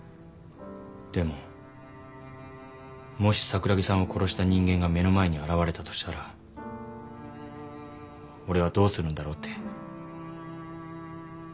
でももし桜木さんを殺した人間が目の前に現れたとしたら俺はどうするんだろうって。